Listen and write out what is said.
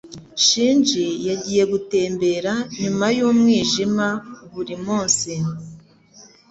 Shinji yagiye gutembera nyuma yumwijima burimunsi.